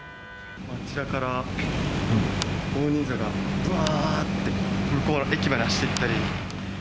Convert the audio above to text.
あちらから大人数がばーって駅まで走っていったり。